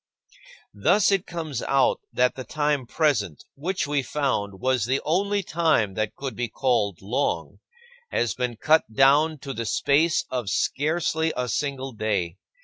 20. Thus it comes out that time present, which we found was the only time that could be called "long," has been cut down to the space of scarcely a single day.